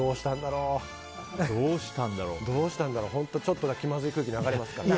どうしたんだろうちょっと気まずい空気流れますからね。